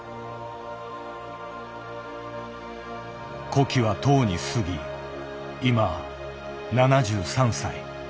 古希はとうに過ぎ今７３歳。